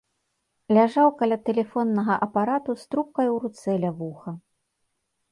Ляжаў каля тэлефоннага апарату з трубкаю ў руцэ ля вуха.